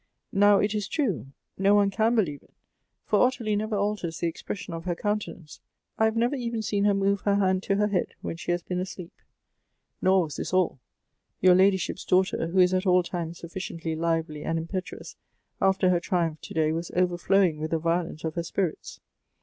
" Now it is true, — no one can believe it, — for Ottilie never alters the expression of her countenance. I have never even seen her move her hand to her head when Fhe has been asleep. " Nor was this all. Your ladyship's daughter, who is at all times suflBciently lively and impetuous, after her triumph to day was overflowing with the violence of her spirits.